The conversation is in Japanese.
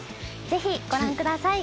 ぜひご覧ください。